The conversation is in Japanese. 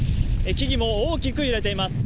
木々も大きく揺れています。